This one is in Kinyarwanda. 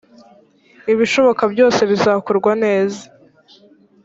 ibishoboka byose bizakorwa neza.